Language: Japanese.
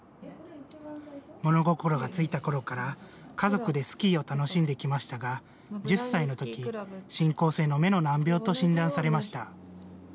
物心がついたころから、家族でスキーを楽しんできましたが、１０歳のとき、進行性の目の難病と診断されました。